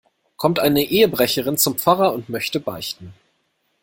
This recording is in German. Kommt eine Ehebrecherin zum Pfarrer und möchte beichten.